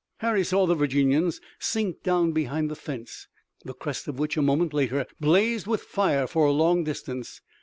Harry saw the Virginians sink down behind the fence, the crest of which a moment later blazed with fire for a long distance.